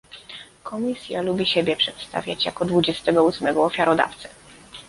Komisja lubi siebie przedstawiać jako dwudziestego ósmego ofiarodawcę